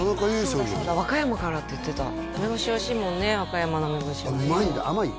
そうだそうだ和歌山からって言ってた梅干しおいしいもんね和歌山のうまいんだ甘い？